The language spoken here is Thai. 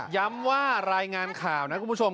ย้ำว่ารายงานข่าวนะคุณผู้ชม